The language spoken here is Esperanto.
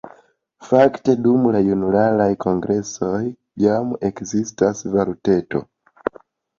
Fakte dum junularaj kongresoj jam ekzistas “valuteto”.